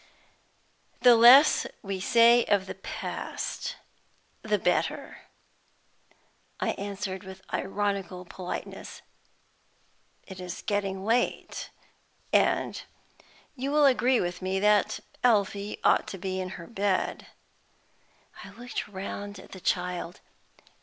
"The less we say of the past, the better," I answered, with ironical politeness. "It is getting late. And you will agree with me that Elfie ought to be in her bed." I looked round at the child.